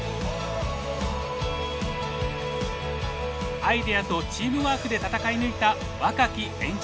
アイデアとチームワークで戦い抜いた若きエンジニアたち。